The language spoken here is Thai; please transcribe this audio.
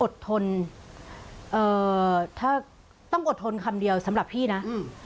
อดทนถ้าต้องอดทนคำเดียวสำหรับพี่นะ